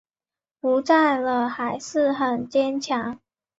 不在了还是很坚强